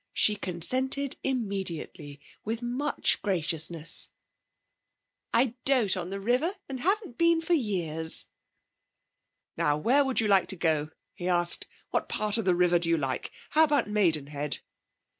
She consented immediately with much graciousness. 'I dote on the river, and haven't been for years.' 'Now where would you like to go?' he asked. 'What part of the river do you like? How about Maidenhead?'